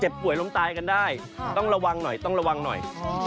ป่วยล้มตายกันได้ต้องระวังหน่อยต้องระวังหน่อย